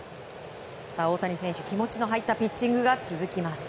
大谷選手、気持ちの入ったピッチングが続きます。